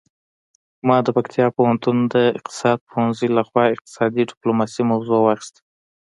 ما د پکتیا پوهنتون د اقتصاد پوهنځي لخوا اقتصادي ډیپلوماسي موضوع واخیسته